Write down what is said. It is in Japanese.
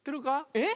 えっ？